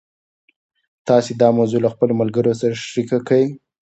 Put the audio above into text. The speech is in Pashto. تاسي دا موضوع له خپلو ملګرو سره شریکه کړئ.